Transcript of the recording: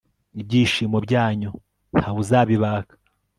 ibyishimo byanyu nta wuzabibaka